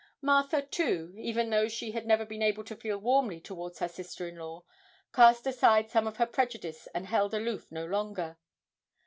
Martha, too, even though she had never been able to feel warmly towards her sister in law, cast aside some of her prejudice and held aloof no longer.